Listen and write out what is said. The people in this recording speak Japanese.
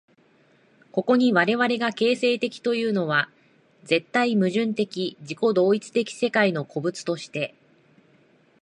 ここに我々が形成的というのは、絶対矛盾的自己同一的世界の個物として、